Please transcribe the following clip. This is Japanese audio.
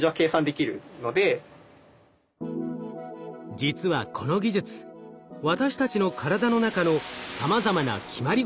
実はこの技術私たちの体の中のさまざまな決まり事を利用しています。